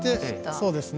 そうですね。